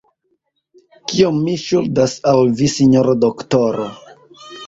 Kiom mi ŝuldas al vi, sinjoro doktoro?